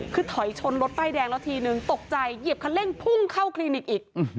คือถอยชนรถป้ายแดงแล้วทีนึงตกใจเหยียบคันเร่งพุ่งเข้าคลินิกอีก